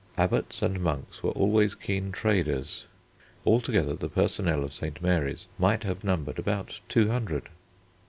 Abbots and monks were always keen traders. Altogether the personnel of St. Mary's might have numbered about two hundred.